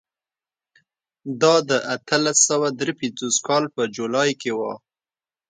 دا د اتلس سوه درې پنځوس کال په جولای کې و.